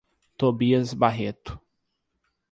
Tobias Barreto